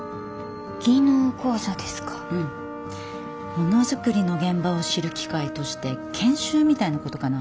ものづくりの現場を知る機会として研修みたいなことかな。